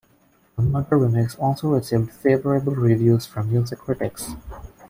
The "Murder Remix" also received favorable reviews from music critics.